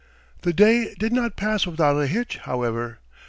The day did not pass without a hitch, however.